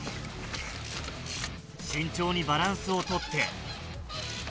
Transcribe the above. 慎重にバランスを取って。